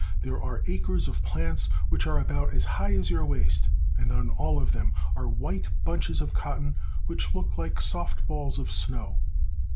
There are acres of plants, which are about as high as your waist, and on all of them are white bunches of cotton which look like soft balls of snow.